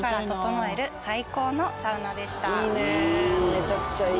めちゃくちゃいい！